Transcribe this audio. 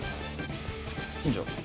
近所。